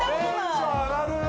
テンション上がる。